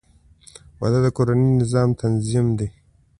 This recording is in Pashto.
• واده د کورني نظام تنظیم دی.